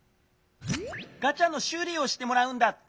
ガチャのしゅうりをしてもらうんだって。